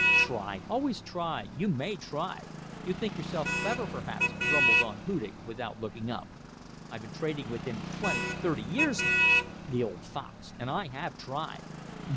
"Try! Always try! You may try! You think yourself clever perhaps," rumbled on Hudig, without looking up. "I have been trading with him twenty thirty years now. The old fox. And I have tried.